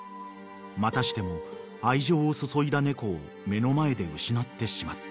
［またしても愛情を注いだ猫を目の前で失ってしまった］